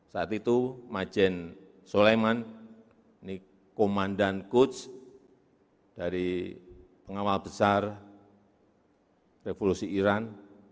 saat itu majen suleiman ini komandan quds dari pengawal besar revolusi iran